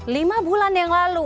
lima bulan yang lalu